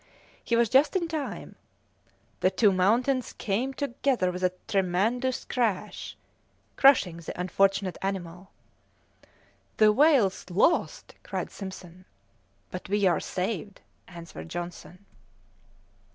He was just in time; the two mountains came together with a tremendous crash, crushing the unfortunate animal. "The whale's lost!" cried Simpson. "But we are saved!" answered Johnson.